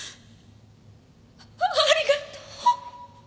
ありがとう！